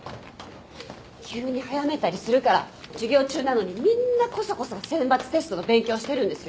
急に早めたりするから授業中なのにみんなこそこそ選抜テストの勉強してるんですよ。